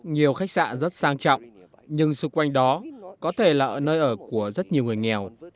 nhiều khách sạn rất sang trọng nhưng xung quanh đó có thể là ở nơi ở của rất nhiều người nghèo